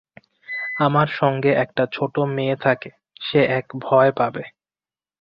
আমার সঙ্গে একটা ছোট মেয়ে থাকে, সে এক ভয় পাবে।